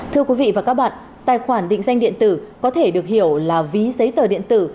thưa quý vị và các bạn tài khoản định danh điện tử có thể được hiểu là ví giấy tờ điện tử